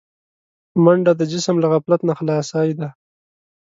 منډه د جسم له غفلت نه خلاصي ده